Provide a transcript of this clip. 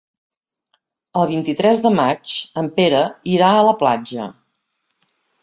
El vint-i-tres de maig en Pere irà a la platja.